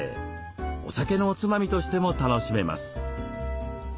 お酒のおつまみとしても楽しめます。